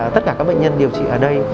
tất cả các bệnh nhân điều trị ở đây